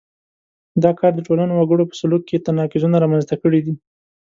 دا کار د ټولنو وګړو په سلوک کې تناقضونه رامنځته کړي دي.